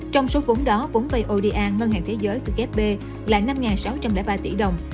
trong số vốn đó vốn bay oda ngân hàng thế giới từ kfb là năm sáu trăm linh ba tỷ đồng